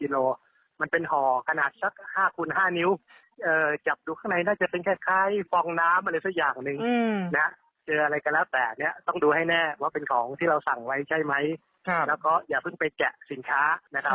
แล้วก็อย่าเพิ่งไปแกะสินค้า